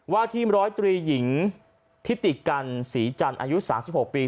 ว่าที๑๐๓หญิงที่ติดกันศรีจันทร์อายุ๓๖ปี